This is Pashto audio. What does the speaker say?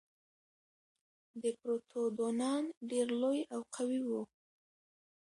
ديپروتودونان ډېر لوی او قوي وو.